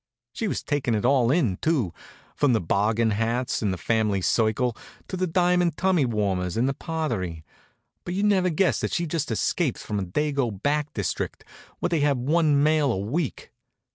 She was takin' it all in, too, from the bargain hats in the fam'ly circle, to the diamond tummy warmers in the parterre, but you'd never guessed that she'd just escaped from a Dago back district where they have one mail a week.